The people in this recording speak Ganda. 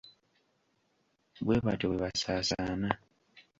Bwe batyo bwe baasaasaana.